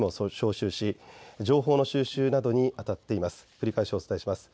繰り返しお伝えします。